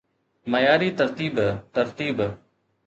معياري ترتيب ترتيب